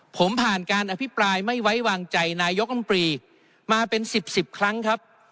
ผมผ่านการอภิปรายไม่ไว้วางใจนายกรรมปรีมาเป็น๑๐๑๐ครั้งครับ